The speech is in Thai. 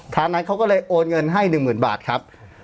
ทางนั้นเขาก็เลยโอนเงินให้๑๐๐๐บาทครับ